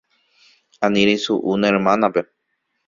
Ani reisu'u ne hérmanape.